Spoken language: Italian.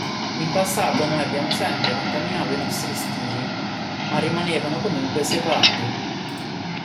In passato noi abbiamo sempre contaminato i nostri stili, ma rimanevano comunque separati".